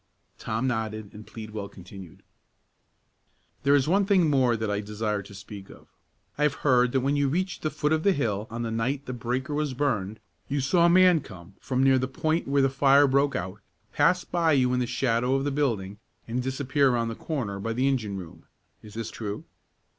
Tom nodded, and Pleadwell continued: "There is one thing more that I desire to speak of: I have heard that when you reached the foot of the hill on the night the breaker was burned, you saw a man come from near the point where the fire broke out, pass by you in the shadow of the building, and disappear around the corner by the engine room. Is this true?"